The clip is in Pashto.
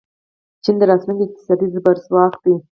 چین د راتلونکي اقتصادي زبرځواک دی.